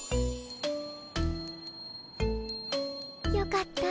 よかった。